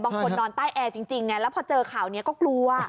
นอนใต้แอร์จริงไงแล้วพอเจอข่าวนี้ก็กลัว